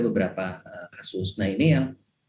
beberapa kasus nah ini yang